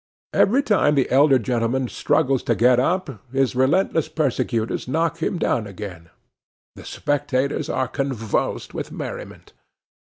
Every time the elderly gentleman struggles to get up, his relentless persecutors knock him down again. The spectators are convulsed with merriment!